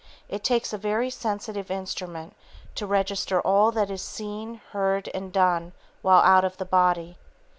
It takes a very sensitive instrument to register all that is seen, heard and done while out of the body.